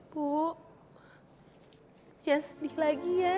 bu ya sedih lagi ya